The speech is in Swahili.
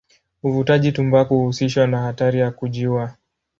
Uvutaji tumbaku huhusishwa na hatari ya kujiua.